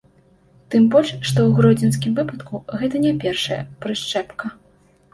Тым больш, што ў гродзенскім выпадку гэта не першая прышчэпка.